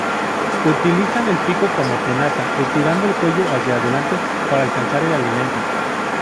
Utilizan el pico como tenaza, estirando el cuello hacia delante para alcanzar el alimento.